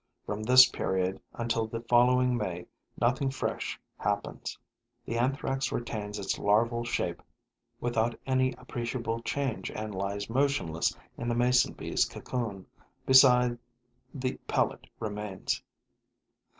From this period until the following May, nothing fresh happens. The Anthrax retains its larval shape without any appreciable change and lies motionless in the mason bee's cocoon, beside the pellet remains.